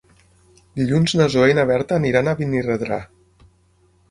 Dilluns na Zoè i na Berta aniran a Benirredrà.